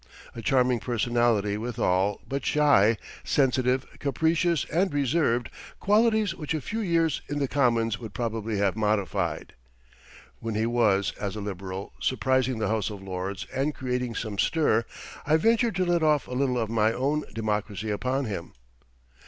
A charming personality withal, but shy, sensitive, capricious, and reserved, qualities which a few years in the Commons would probably have modified. When he was, as a Liberal, surprising the House of Lords and creating some stir, I ventured to let off a little of my own democracy upon him.